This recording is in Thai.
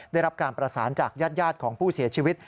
ได้รับการประสานจากญาติของผู้เสียชีวิต